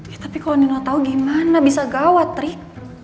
ya tapi kalau rina tau gimana bisa gawat rik